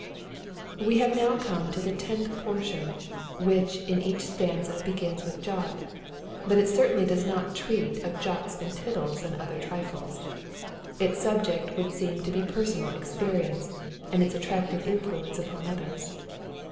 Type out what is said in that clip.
We have now come to the tenth portion, which in each stanza begins with Jod, but it certainly does not treat of jots and tittles and other trifles. Its subject would seem to be personal experience and its attractive influence upon others.